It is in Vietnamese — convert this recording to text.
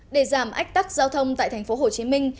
để giảm ách tắc giao thông tại thành phố hồ chí minh